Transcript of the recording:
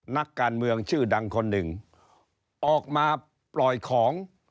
นักการเมืองชื่อดังคนหนึ่งออกมาปล่อยของ